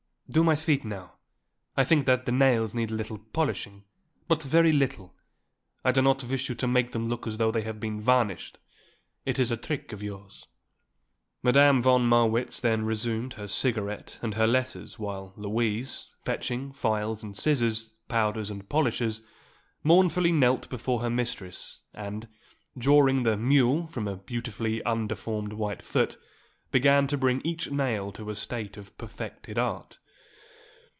Do my feet now; I think that the nails need a little polishing; but very little; I do not wish you to make them look as though they had been varnished; it is a trick of yours." Madame von Marwitz then resumed her cigarette and her letters while Louise, fetching files and scissors, powders and polishers, mournfully knelt before her mistress, and, drawing the mule from a beautifully undeformed white foot, began to bring each nail to a state of perfected art.